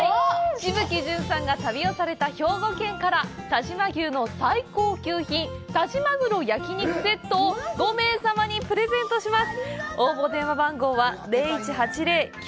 紫吹淳さんが旅をされた兵庫県から但馬牛の最高級品、但馬玄焼肉セットを５名様にプレゼントいたします。